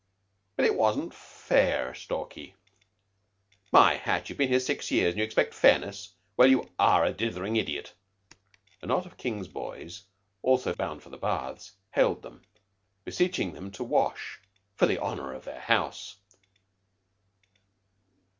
"But it wasn't fair, Stalky." "My Hat! You've been here six years, and you expect fairness. Well, you are a dithering idiot." A knot of King's boys, also bound for the baths, hailed them, beseeching them to wash for the honor of their house.